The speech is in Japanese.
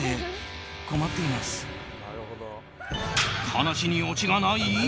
話にオチがない？